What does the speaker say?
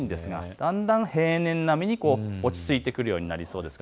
だんだん平年並みに落ち着いてくるようになります。